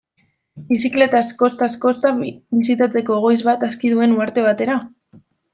Bizikletaz kostaz-kosta bisitatzeko goiz bat aski duen uharte batera?